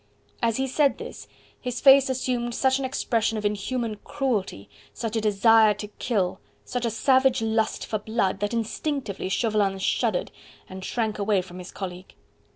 As he said this his face assumed such an expression of inhuman cruelty, such a desire to kill, such a savage lust for blood, that instinctively Chauvelin shuddered and shrank away from his colleague.